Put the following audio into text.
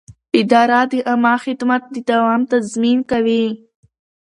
اداره د عامه خدمت د دوام تضمین کوي.